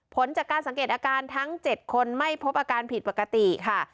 ผลจากการสังเกตอาการทั้ง๗คนไม่พบอาการผิดปกติค่ะ